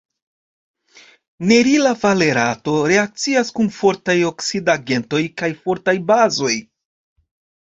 Nerila valerato reakcias kun fortaj oksidigagentoj kaj fortaj bazoj.